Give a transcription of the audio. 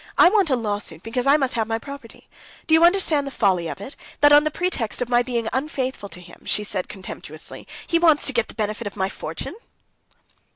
I want a lawsuit, because I must have my property. Do you understand the folly of it, that on the pretext of my being unfaithful to him," she said contemptuously, "he wants to get the benefit of my fortune."